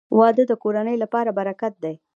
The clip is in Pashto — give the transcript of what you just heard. • واده د کورنۍ لپاره برکت دی.